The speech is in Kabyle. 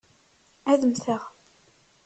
Ad mmteɣ.